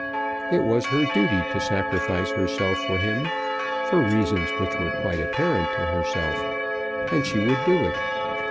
It was her duty to sacrifice herself for him, for reasons which were quite apparent to herself, and she would do it.